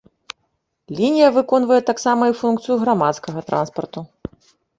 Лінія выконвае таксама і функцыю грамадскага транспарту.